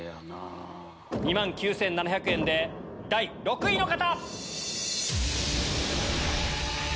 ２万９７００円で第６位の方！